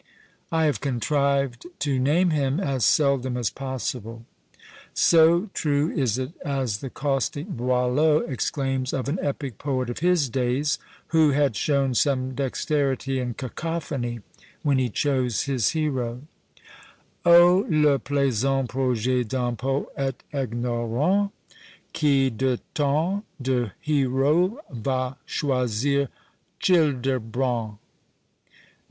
I have contrived to name him as seldom as possible." So true is it, as the caustic Boileau exclaims of an epic poet of his days, who had shown some dexterity in cacophony, when he chose his hero O le plaisant projet d'un poÃẀte ignorant, Qui de tant de heros va choisir Childebrand!